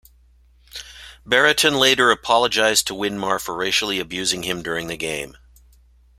Brereton later apologised to Winmar for racially abusing him during the game.